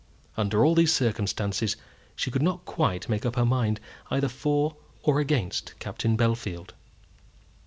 Under all these circumstances, she could not quite make up her mind either for or against Captain Bellfield.